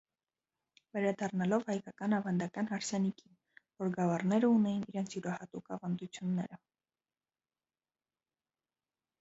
Վերադառնալով հայկական աւանդական հարսանիքին որ գաւառները ունէին իրենց իւրայատուկ աւանդութիւնները։